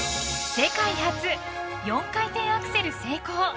世界初、４回転アクセル成功。